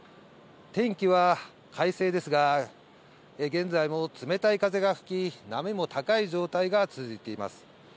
天気は快晴ですが、現在も冷たい風が吹き、波も高い状態が続いています。